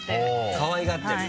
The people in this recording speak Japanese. かわいがってるの？